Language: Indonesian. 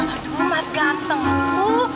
aduh mas ganteng aku